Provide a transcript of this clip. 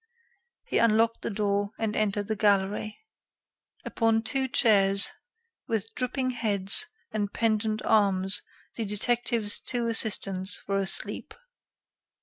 He unlocked the door and entered the gallery. Upon two chairs, with drooping heads and pendent arms, the detective's two assistants were asleep.